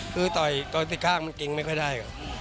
ถ้าต่อยตรงที่ข้างมันเกรงไม่ค่อยได้ครับ